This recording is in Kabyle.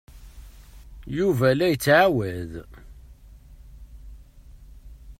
Yuba la d-yettɛawad.